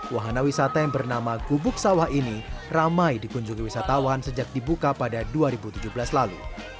wahana wisata yang bernama gubuk sawah ini ramai dikunjungi wisatawan sejak dibuka pada dua ribu tujuh belas lalu